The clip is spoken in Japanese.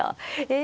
え！